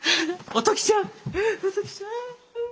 お時ちゃん！